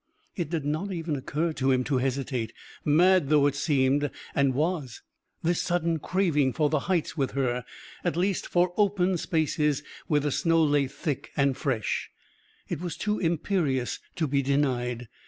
It did not even occur to him to hesitate; mad though it seemed, and was this sudden craving for the heights with her, at least for open spaces where the snow lay thick and fresh it was too imperious to be denied.